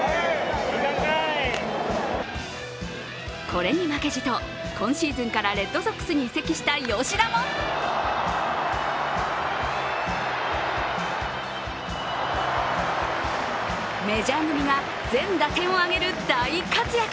これに負けじと、今シーズンからレッドソックスに移籍した吉田もメジャー組が全打点を挙げる大活躍。